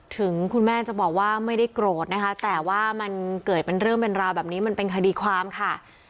ถึงคุณแม่จะบอกว่าไม่ได้โกรธนะคะแต่ว่ามันเกิดเป็นเรื่องเป็นราวแบบนี้มันเป็นคดีความค่ะ